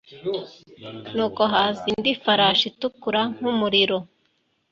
nuko haza indi farashi itukura nk'umuriro